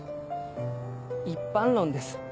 一般論です